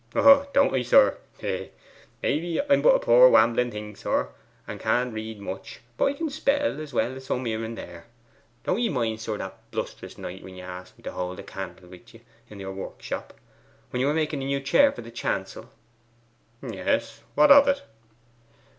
'Oh, doan't I, sir hee, hee! Maybe I'm but a poor wambling thing, sir, and can't read much; but I can spell as well as some here and there. Doan't ye mind, sir, that blustrous night when ye asked me to hold the candle to ye in yer workshop, when you were making a new chair for the chancel?' 'Yes; what of that?